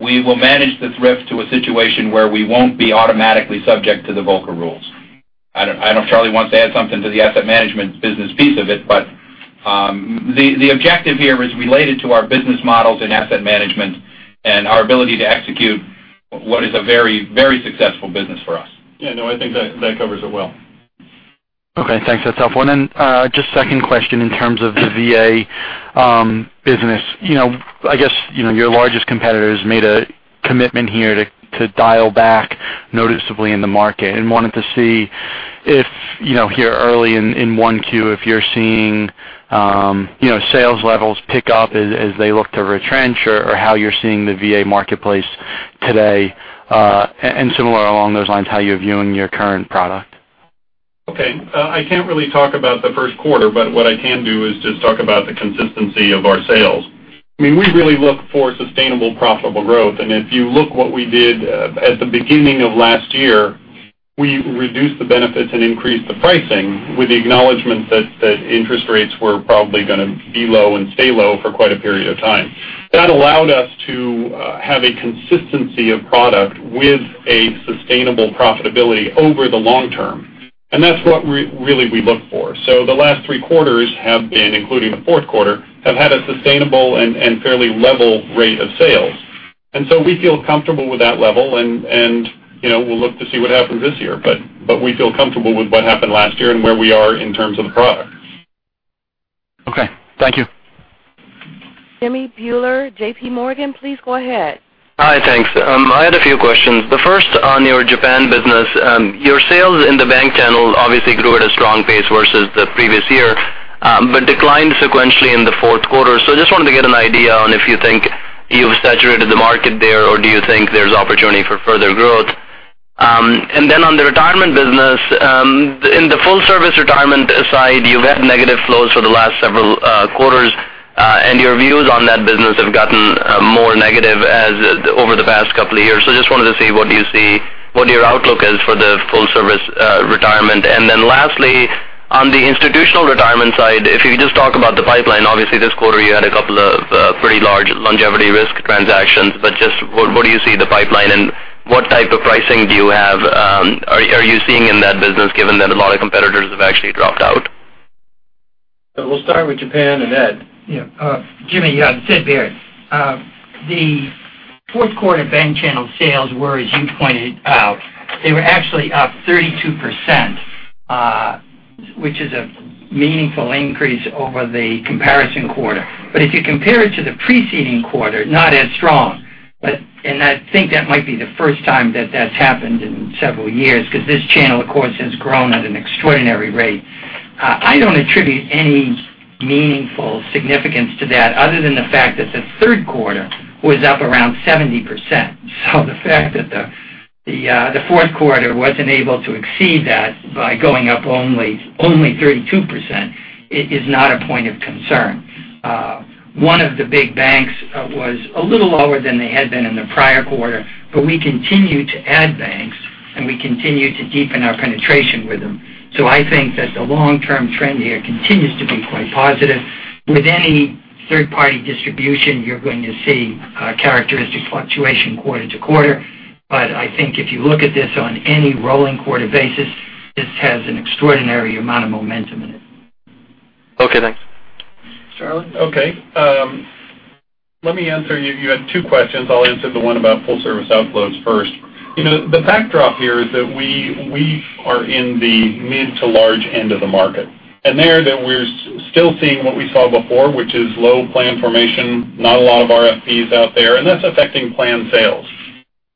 we will manage the thrift to a situation where we won't be automatically subject to the Volcker Rule. I don't know if Charlie wants to add something to the asset management business piece of it, the objective here is related to our business models in asset management and our ability to execute what is a very successful business for us. No, I think that covers it well. Okay, thanks. That's helpful. Just second question in terms of the VA business. I guess your largest competitor has made a commitment here to dial back noticeably in the market and wanted to see if here early in 1Q, if you're seeing sales levels pick up as they look to retrench or how you're seeing the VA marketplace today, similar along those lines, how you're viewing your current product. Okay. I can't really talk about the first quarter, but what I can do is just talk about the consistency of our sales. We really look for sustainable, profitable growth. If you look what we did at the beginning of last year, we reduced the benefits and increased the pricing with the acknowledgment that interest rates were probably going to be low and stay low for quite a period of time. That allowed us to have a consistency of product with a sustainable profitability over the long term, and that's what really we look for. The last three quarters, including the fourth quarter, have had a sustainable and fairly level rate of sales. We feel comfortable with that level and we'll look to see what happens this year. We feel comfortable with what happened last year and where we are in terms of the product. Okay, thank you. Jimmy Bhullar, J.P. Morgan, please go ahead. Hi. Thanks. I had a few questions. The first on your Japan business. Your sales in the bank channel obviously grew at a strong pace versus the previous year, but declined sequentially in the fourth quarter. I just wanted to get an idea on if you think you've saturated the market there, or do you think there's opportunity for further growth? On the retirement business, in the full service retirement side, you've had negative flows for the last several quarters, and your views on that business have gotten more negative over the past couple of years. Just wanted to see what your outlook is for the full service retirement. Lastly, on the institutional retirement side, if you could just talk about the pipeline. What do you see in the pipeline, and what type of pricing are you seeing in that business, given that a lot of competitors have actually dropped out? We'll start with Japan and Ed. Yeah. Jimmy, yeah, it's Ed Baird. The fourth quarter bank channel sales were, as you pointed out, they were actually up 32%, which is a meaningful increase over the comparison quarter. If you compare it to the preceding quarter, not as strong. I think that might be the first time that that's happened in several years, because this channel, of course, has grown at an extraordinary rate. I don't attribute any meaningful significance to that other than the fact that the third quarter was up around 70%. The fact that the fourth quarter wasn't able to exceed that by going up only 32%, is not a point of concern. One of the big banks was a little lower than they had been in the prior quarter, we continue to add banks, we continue to deepen our penetration with them. I think that the long-term trend here continues to be quite positive. With any third-party distribution, you're going to see characteristic fluctuation quarter to quarter. I think if you look at this on any rolling quarter basis, this has an extraordinary amount of momentum in it. Thanks. Charlie? Okay. Let me answer. You had two questions. I'll answer the one about full service outflows first. The backdrop here is that we are in the mid to large end of the market. There, that we're still seeing what we saw before, which is low plan formation, not a lot of RFPs out there, and that's affecting plan sales.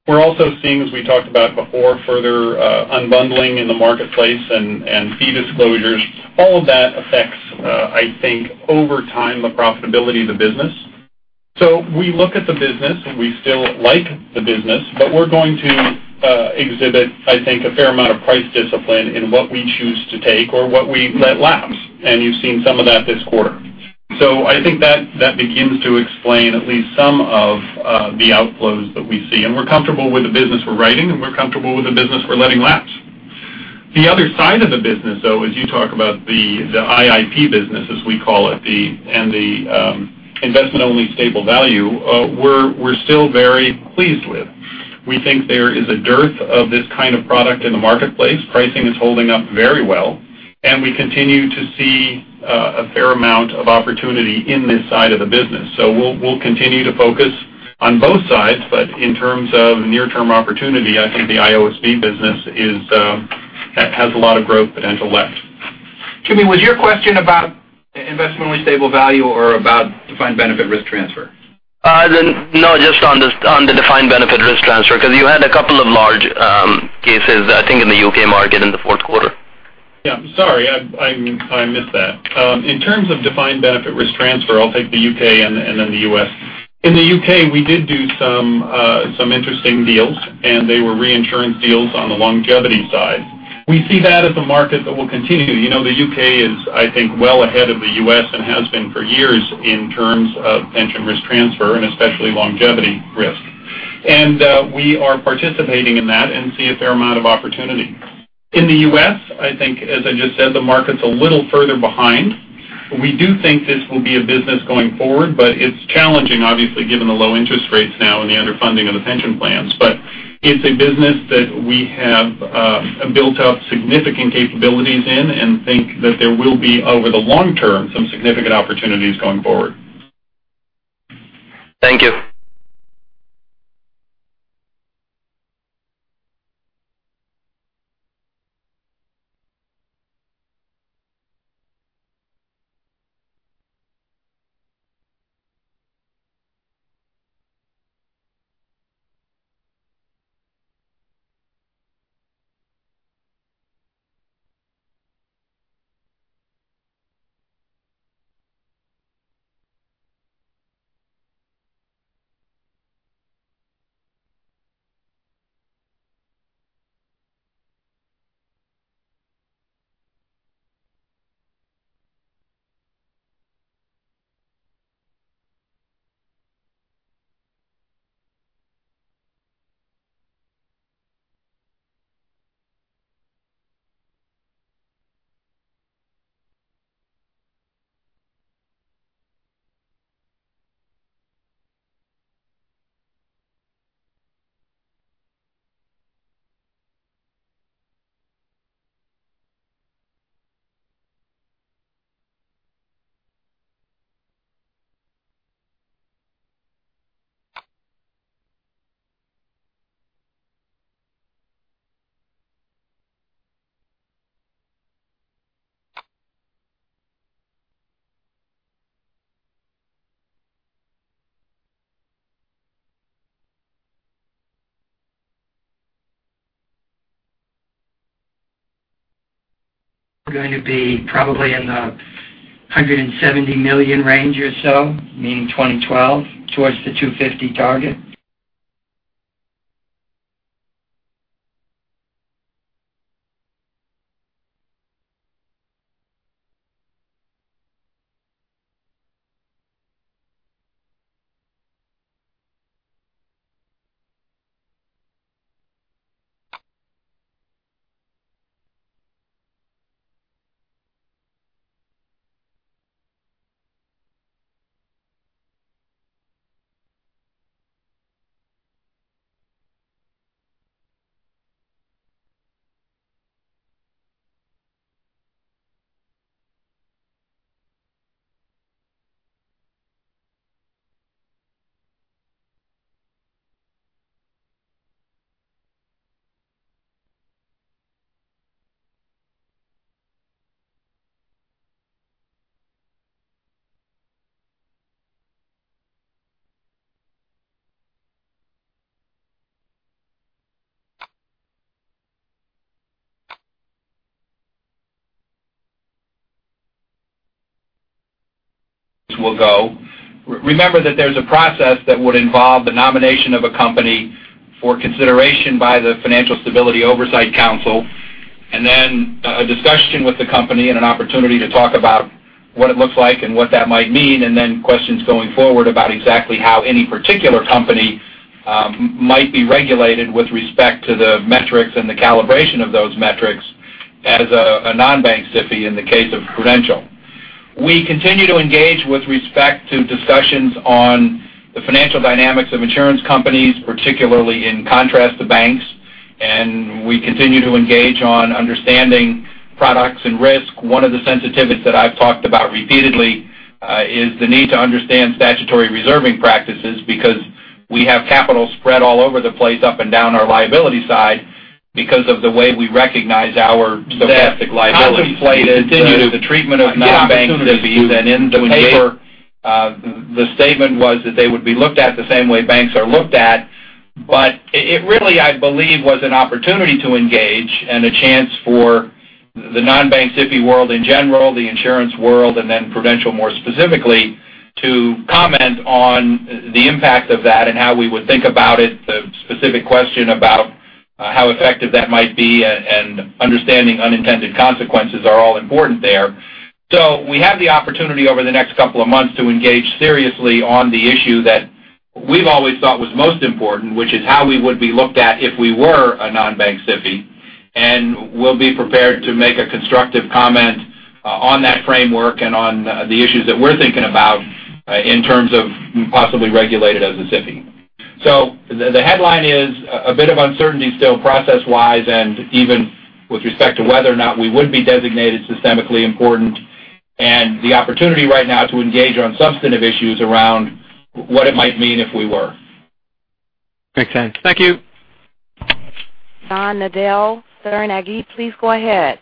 We're also seeing, as we talked about before, further unbundling in the marketplace and fee disclosures. All of that affects, I think, over time, the profitability of the business. We look at the business, and we still like the business, but we're going to exhibit, I think, a fair amount of price discipline in what we choose to take or what we let lapse. You've seen some of that this quarter. I think that begins to explain at least some of the outflows that we see. We're comfortable with the business we're writing, and we're comfortable with the business we're letting lapse. The other side of the business, though, as you talk about the IIP business, as we call it, and the investment-only stable value, we're still very pleased with. We think there is a dearth of this kind of product in the marketplace. Pricing is holding up very well, and we continue to see a fair amount of opportunity in this side of the business. We'll continue to focus on both sides, but in terms of near-term opportunity, I think the IOSV business has a lot of growth potential left. Jimmy, was your question about investment-only stable value or about defined benefit risk transfer? No, just on the defined benefit risk transfer, because you had a couple of large cases, I think, in the U.K. market in the fourth quarter. Yeah. Sorry, I missed that. In terms of defined benefit risk transfer, I'll take the U.K. and then the U.S. In the U.K., we did do some interesting deals, and they were reinsurance deals on the longevity side. We see that as a market that will continue. The U.K. is, I think, well ahead of the U.S. and has been for years in terms of pension risk transfer and especially longevity risk. We are participating in that and see a fair amount of opportunity. In the U.S., I think, as I just said, the market's a little further behind. We do think this will be a business going forward, but it's challenging, obviously, given the low interest rates now and the underfunding of the pension plans. It's a business that we have built up significant capabilities in and think that there will be, over the long term, some significant opportunities going forward. Thank you. We're going to be probably in the $170 million range or so, meaning 2012, towards the $250 target. Will go. Remember that there's a process that would involve the nomination of a company for consideration by the Financial Stability Oversight Council, and then a discussion with the company and an opportunity to talk about what it looks like and what that might mean, and then questions going forward about exactly how any particular company might be regulated with respect to the metrics and the calibration of those metrics as a non-bank SIFI in the case of Prudential. We continue to engage with respect to discussions on the financial dynamics of insurance companies, particularly in contrast to banks, and we continue to engage on understanding products and risk. One of the sensitivities that I've talked about repeatedly is the need to understand statutory reserving practices, because we have capital spread all over the place up and down our liability side because of the way we recognize our stochastic liabilities. Contemplated the treatment of non-bank SIFIs, in the paper, the statement was that they would be looked at the same way banks are looked at. It really, I believe, was an opportunity to engage and a chance for the non-bank SIFI world in general, the insurance world, and then Prudential more specifically, to comment on the impact of that and how we would think about it. The specific question about how effective that might be and understanding unintended consequences are all important there. We have the opportunity over the next couple of months to engage seriously on the issue that we've always thought was most important, which is how we would be looked at if we were a non-bank SIFI. We'll be prepared to make a constructive comment on that framework and on the issues that we're thinking about in terms of possibly regulated as a SIFI. The headline is a bit of uncertainty still process-wise and even with respect to whether or not we would be designated systemically important and the opportunity right now to engage on substantive issues around what it might mean if we were. Makes sense. Thank you. John Nadel, Stern Agee. Please go ahead.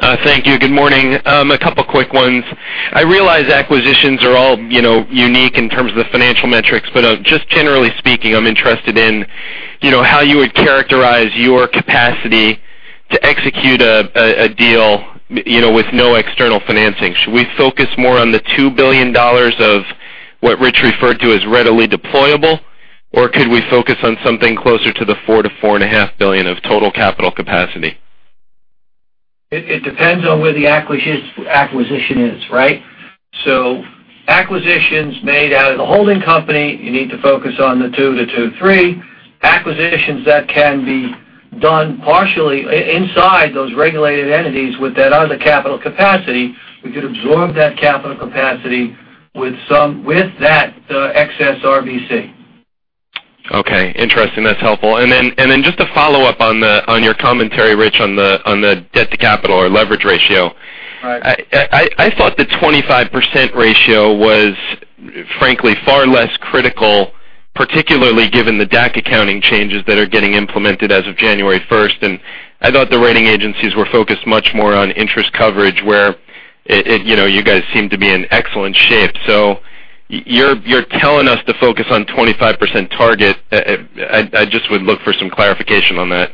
Thank you. Good morning. A couple quick ones. I realize acquisitions are all unique in terms of the financial metrics, just generally speaking, I'm interested in how you would characterize your capacity to execute a deal with no external financing. Should we focus more on the $2 billion of what Rich referred to as readily deployable, or could we focus on something closer to the $4 billion-$4.5 billion of total capital capacity? It depends on where the acquisition is, right? Acquisitions made out of the holding company, you need to focus on the $2 billion-$2.3 billion. Acquisitions that can be done partially inside those regulated entities with that other capital capacity, we could absorb that capital capacity with that excess RBC. Okay. Interesting. That's helpful. Just a follow-up on your commentary, Rich, on the debt to capital or leverage ratio. Right. I thought the 25% ratio was frankly far less critical, particularly given the DAC accounting changes that are getting implemented as of January 1st. I thought the rating agencies were focused much more on interest coverage where you guys seem to be in excellent shape. You're telling us to focus on 25% target. I just would look for some clarification on that.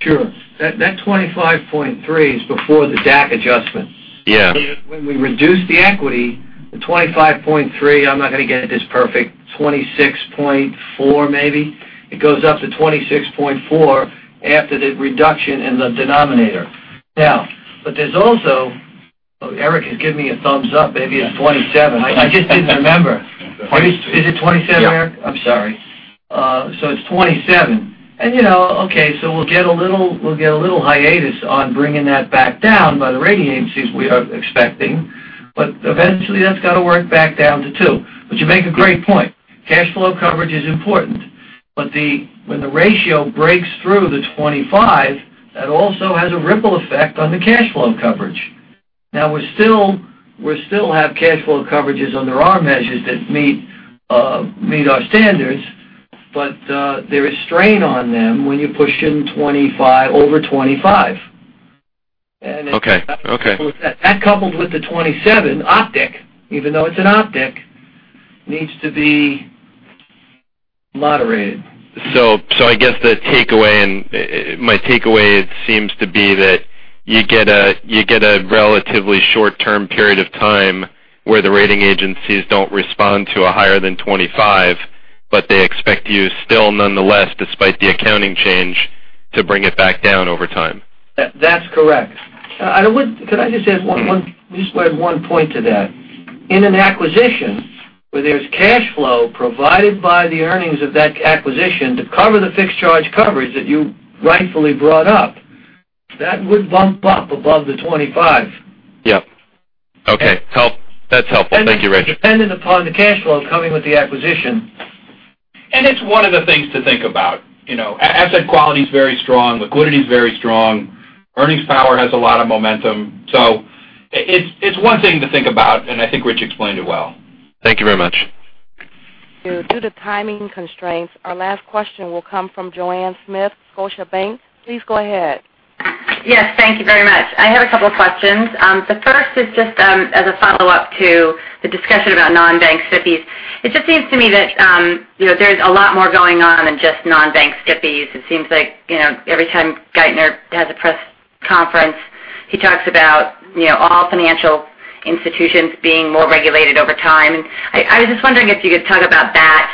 Sure. That 25.3 is before the DAC adjustments. Yeah. When we reduce the equity, the 25.3, I'm not going to get it this perfect, 26.4 maybe. It goes up to 26.4 after the reduction in the denominator. Eric is giving me a thumbs up. Maybe it's 27. I just didn't remember. Is it 27, Eric? Yeah. I'm sorry. It's 27. We'll get a little hiatus on bringing that back down by the rating agencies we are expecting. Eventually, that's got to work back down to two. You make a great point. Cash flow coverage is important, but when the ratio breaks through the 25, that also has a ripple effect on the cash flow coverage. Now we still have cash flow coverages under our measures that meet our standards, but there is strain on them when you push in over 25. Okay. That coupled with the 27 optic, even though it's an optic, needs to be moderated. I guess my takeaway seems to be that you get a relatively short-term period of time where the rating agencies don't respond to a higher than 25, but they expect you still, nonetheless, despite the accounting change, to bring it back down over time. That's correct. Could I just add one point to that? In an acquisition where there's cash flow provided by the earnings of that acquisition to cover the fixed charge coverage that you rightfully brought up, that would bump up above the 25. Yep. Okay. That's helpful. Thank you, Rich. Depending upon the cash flow coming with the acquisition. It's one of the things to think about. Asset quality is very strong. Liquidity is very strong. Earnings power has a lot of momentum. It's one thing to think about, and I think Rich explained it well. Thank you very much. Due to timing constraints, our last question will come from Joanne Smith, Scotiabank. Please go ahead. Yes, thank you very much. I have a couple questions. The first is just as a follow-up to the discussion about non-bank SIFIs. It just seems to me that there's a lot more going on than just non-bank SIFIs. It seems like every time Geithner has a press conference, he talks about all financial institutions being more regulated over time. I was just wondering if you could talk about that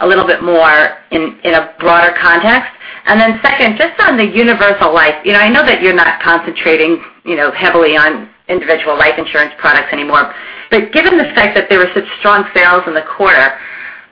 a little bit more in a broader context. Then second, just on the universal life. I know that you're not concentrating heavily on individual life insurance products anymore. Given the fact that there were such strong sales in the quarter,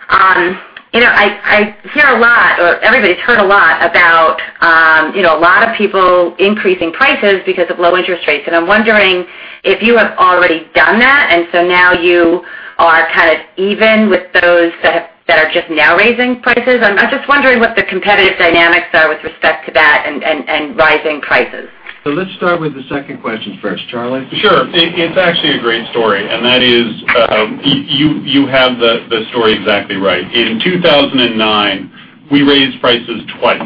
I hear a lot, or everybody's heard a lot about a lot of people increasing prices because of low interest rates. I'm wondering if you have already done that, now you are kind of even with those that are just now raising prices. What the competitive dynamics are with respect to that and rising prices. Let's start with the second question first. Charlie? Sure. It's actually a great story, you have the story exactly right. In 2009, we raised prices twice,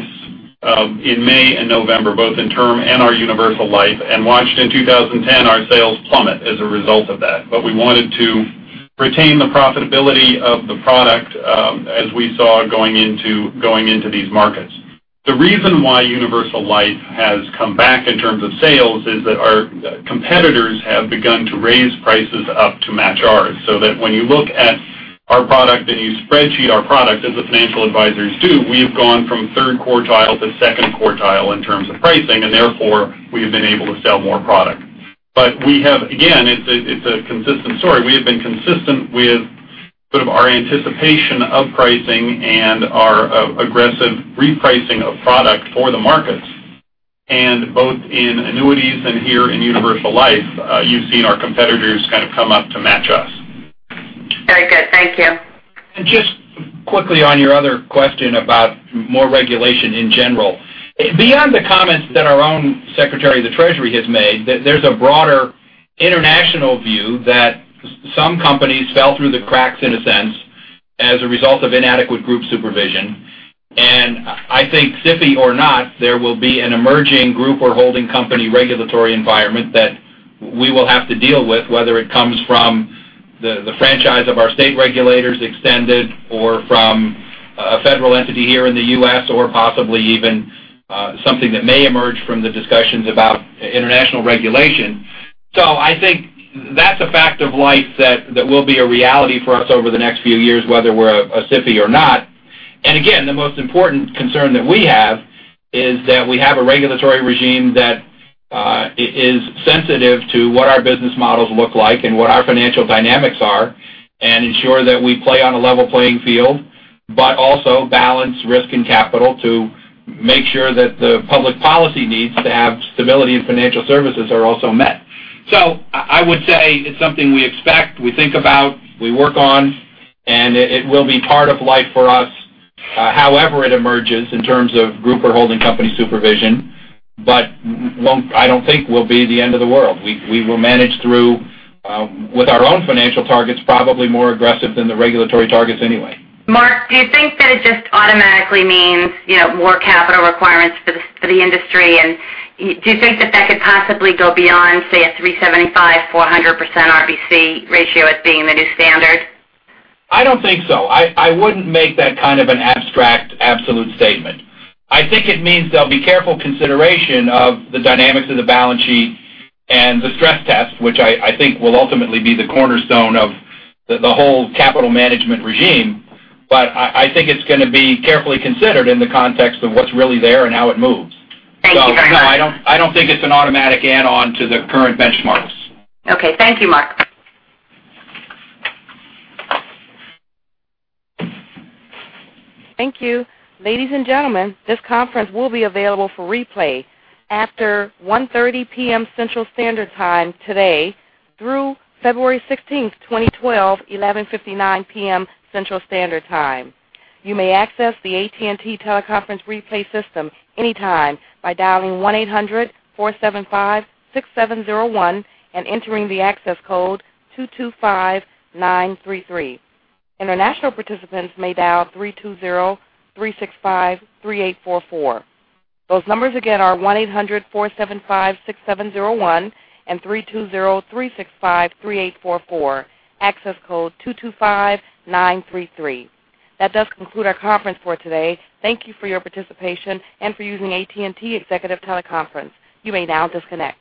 in May and November, both in term and our universal life, and watched in 2010 our sales plummet as a result of that. We wanted to retain the profitability of the product as we saw going into these markets. The reason why universal life has come back in terms of sales is that our competitors have begun to raise prices up to match ours. When you look at our product and you spreadsheet our product, as the financial advisors do, we have gone from third quartile to second quartile in terms of pricing, and therefore we have been able to sell more product. We have, again, it's a consistent story. We have been consistent with sort of our anticipation of pricing and our aggressive repricing of product for the markets. Both in annuities and here in universal life, you've seen our competitors kind of come up to match us. Very good. Thank you. Just quickly on your other question about more regulation in general. Beyond the comments that our own Secretary of the Treasury has made, there's a broader international view that some companies fell through the cracks, in a sense, as a result of inadequate group supervision. I think SIFI or not, there will be an emerging group or holding company regulatory environment that we will have to deal with, whether it comes from the franchise of our state regulators extended or from a federal entity here in the U.S. or possibly even something that may emerge from the discussions about international regulation. I think that's a fact of life that will be a reality for us over the next few years, whether we're a SIFI or not. Again, the most important concern that we have is that we have a regulatory regime that is sensitive to what our business models look like and what our financial dynamics are and ensure that we play on a level playing field. Also balance risk and capital to make sure that the public policy needs to have stability and financial services are also met. I would say it's something we expect, we think about, we work on, and it will be part of life for us, however it emerges in terms of group or holding company supervision. I don't think will be the end of the world. We will manage through with our own financial targets, probably more aggressive than the regulatory targets anyway. Mark, do you think that it just automatically means more capital requirements for the industry? Do you think that that could possibly go beyond, say, a 375%-400% RBC ratio as being the new standard? I don't think so. I wouldn't make that kind of an abstract, absolute statement. I think it means there'll be careful consideration of the dynamics of the balance sheet and the stress test, which I think will ultimately be the cornerstone of the whole capital management regime. I think it's going to be carefully considered in the context of what's really there and how it moves. Thank you very much. No, I don't think it's an automatic add-on to the current benchmarks. Okay. Thank you, Mark. Thank you. Ladies and gentlemen, this conference will be available for replay after 1:30 P.M. Central Standard Time today through February 16th, 2012, 11:59 P.M. Central Standard Time. You may access the AT&T teleconference replay system anytime by dialing 1-800-475-6701 and entering the access code 225933. International participants may dial 320-365-3844. Those numbers again are 1-800-475-6701 and 320-365-3844. Access code 225933. That does conclude our conference for today. Thank you for your participation and for using AT&T Executive Teleconference. You may now disconnect.